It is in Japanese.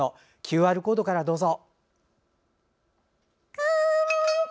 レシピはＱＲコードからどうぞ。